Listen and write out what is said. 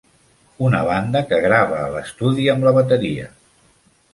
Una banda que grava a l'estudi amb la bateria.